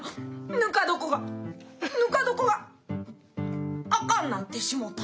ぬか床がぬか床があかんなってしもうた。